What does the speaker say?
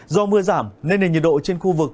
do mưa giảm nên nền nhiệt độ trên khu vực